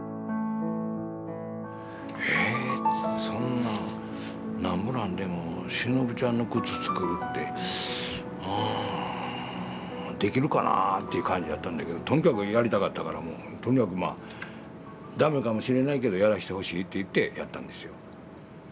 そんなんなんぼなんでもしのぶちゃんの靴作るってあできるかなっていう感じやったんだけどとにかくやりたかったからもうとにかくまあ駄目かもしれないけどやらしてほしいって言ってやったんですよ。